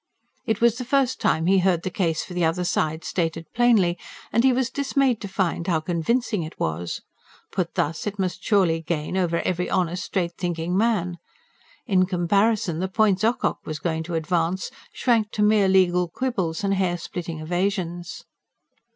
It was the first time he heard the case for the other side stated plainly; and he was dismayed to find how convincing it was. Put thus, it must surely gain over every honest, straight thinking man. In comparison, the points Ocock was going to advance shrank to mere legal quibbles and hair splitting evasions.